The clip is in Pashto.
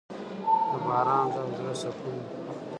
د باران ږغ د زړه سکون دی.